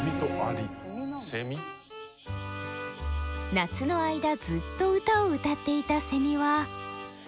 夏の間ずっと歌を歌っていたセミは。